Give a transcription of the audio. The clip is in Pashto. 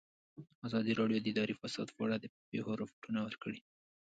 ازادي راډیو د اداري فساد په اړه د پېښو رپوټونه ورکړي.